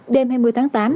đêm hai mươi tháng tám